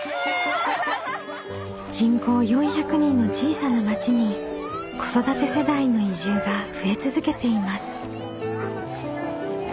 人口４００人の小さな町に子育て世代の移住が増え続けています。